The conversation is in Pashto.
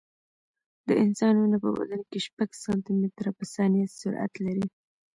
د انسان وینه په بدن کې شپږ سانتي متره په ثانیه سرعت لري.